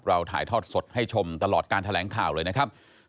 ถ่ายทอดสดให้ชมตลอดการแถลงข่าวเลยนะครับ